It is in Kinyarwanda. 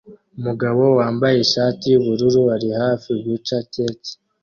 Umugabo wambaye ishati yubururu ari hafi guca keke